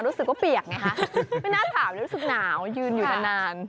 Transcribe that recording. รู้สึกว่าเปียกไงคะไม่น่าถามรู้สึกหนาวยืนอยู่นาน